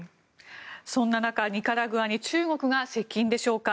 そんな中、ニカラグアに中国が接近でしょうか。